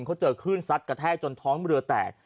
เขาเจอคลื่นซัดกระแทกจนท้องเรือแตก